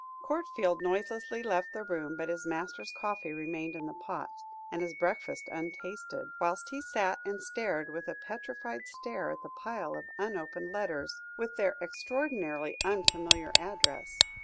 Courtfield noiselessly left the room, but his master's coffee remained in the pot, and his breakfast untasted, whilst he sat and stared with a petrified stare at the pile of unopened letters, with their extraordinarily unfamiliar address.